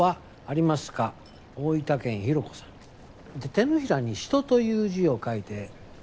手のひらに「人」という字を書いて。